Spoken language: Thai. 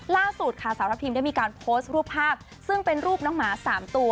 ล่าสุดค่ะสาวทัพทิมได้มีการโพสต์รูปภาพซึ่งเป็นรูปน้องหมา๓ตัว